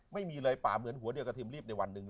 ไม่มีเลยป่าเหมือนหัวเดียวกระทิมรีบในวันหนึ่ง